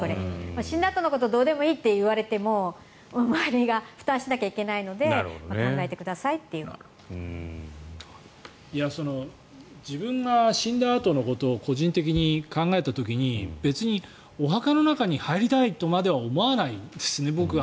死んだあとのことどうでもいいって言われても周りが負担しなきゃいけないので自分が死んだあとのことを個人的に考えた時に別にお墓の中に入りたいとまでは思わないですね、僕は。